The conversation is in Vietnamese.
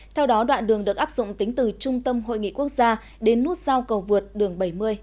theo đó đoạn đường được áp dụng tính từ trung tâm hội nghị quốc gia đến nút giao cầu vượt đường bảy mươi